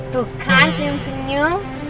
tuh kan senyum senyum